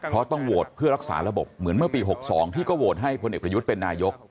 เพราะต้องโหวตเพื่อรักษาระบบเหมือนเมื่อปี๖๒ที่ก็โหวตให้พลเอกประยุทธ์เป็นนายก